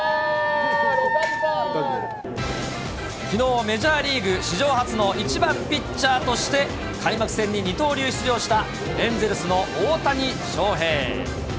きのう、メジャーリーグ史上初の１番ピッチャーとして、開幕戦に二刀流出場したエンゼルスの大谷翔平。